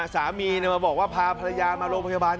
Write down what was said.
สามีมาบอกว่าพาภรรยามาโรงพยาบาล